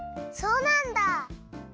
そうなんだ！